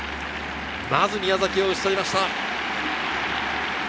まず宮崎を打ち取りました。